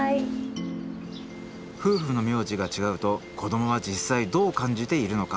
夫婦の名字が違うと子どもは実際どう感じているのか？